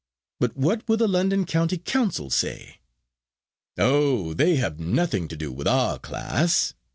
But what will the London County Council say?" "Oh, they have nothing to do with our class.